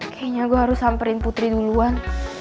kayaknya gue harus samperin putri duluan